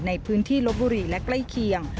ในพื้นที่ลบบุรีและใกล้เคียง